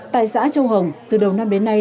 tại xã châu hồng từ đầu năm đến nay